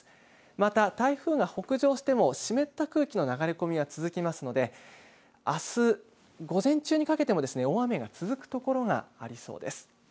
また、台風が北上しても湿った空気の流れ込みは続きますので、あす午前中にかけても大雨が続く所がありそうです。